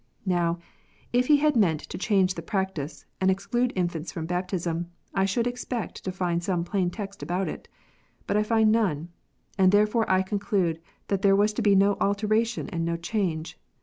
Now, if he had meant to change the practice, and exclude infants from baptism, I should expect to find some plain text about it. But I find none, and therefore I conclude that there was to be no alteration and no change.